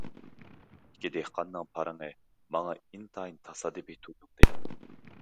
ئىككى دېھقاننىڭ پارىڭى ماڭا ئىنتايىن تاسادىپىي تۇيۇلدى.